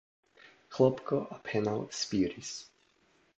Ĥlopko apenaŭ spiris.